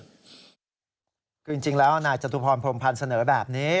คือจริงแล้วนายจตุพรพรมพันธ์เสนอแบบนี้